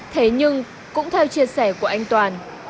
thế nhưng cũng theo chia sẻ của anh toàn